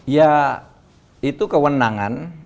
ya itu kewenangan